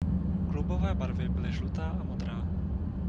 Klubové barvy byly žlutá a modrá.